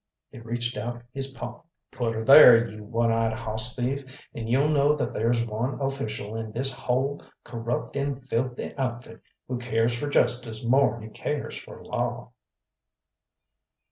He reached out his paw. "Put her thar, you one eyed hoss thief, and you'll know that there's one official in this hull corrupt and filthy outfit who cares for justice more'n he cares for law."